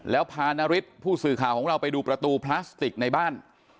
แล้วพานาริสผู้สื่อข่าวของเราไปดูประตูพลาสติกในบ้าน